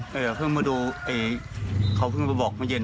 ความจำเลอะเลือนเหมือนเด็กแล้วก็ยืนยันว่าตัวเองไม่ได้ทุบตียายเพราะว่ายายดื้อจริง